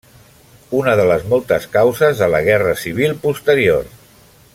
Una de les moltes causes de la guerra civil posterior.